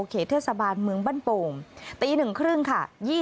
เขตเทศบาลเมืองบ้านโป่งตี๑๓๐ค่ะ